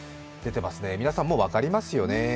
皆さん、もう分かりますよね？